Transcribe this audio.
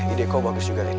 ide kau bagus juga alina